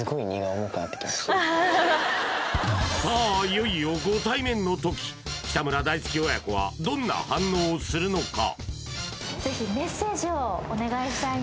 いよいよご対面の時北村大好き親子はどんな反応をするのか？